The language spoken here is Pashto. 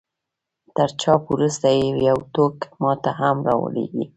تر چاپ وروسته يې يو ټوک ما ته هم را ولېږئ.